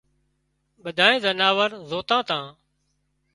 ٻڌانئي زناور زوتان تان